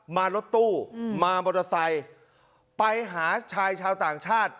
รถตู้มามอเตอร์ไซค์ไปหาชายชาวต่างชาติ